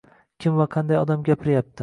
Kim va qanday odam gapiryapti?